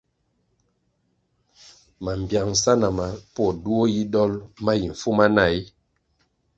Mambpiangsa na mapuo duo yi dol ma yi mfumana ee ?